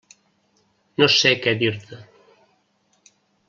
No sé què dir-te.